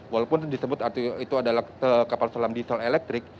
walaupun disebut itu adalah kapal selam diesel elektrik